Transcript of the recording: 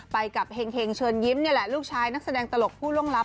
ไปกับเห็งเชิญยิ้มนี่แหละลูกชายนักแสดงตลกผู้ล่วงลับ